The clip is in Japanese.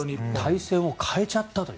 対戦を変えちゃったという。